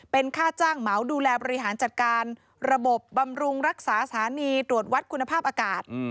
เป็นค่าจ้างเหมาดูแลบริหารจัดการระบบบำรุงรักษาสถานีตรวจวัดคุณภาพอากาศ